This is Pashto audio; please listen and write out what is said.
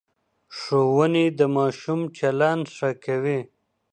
ښوونې د ماشوم چلند ښه کوي.